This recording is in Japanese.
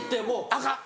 アカン！